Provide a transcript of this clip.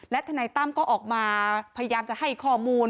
ทนายตั้มก็ออกมาพยายามจะให้ข้อมูล